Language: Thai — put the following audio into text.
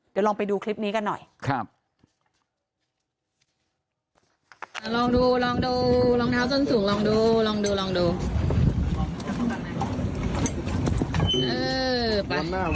เดี๋ยวลองไปดูคลิปนี้กันหน่อย